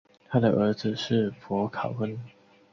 他的儿子是佛卡温。